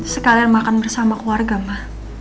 sekalian makan bersama keluarga pak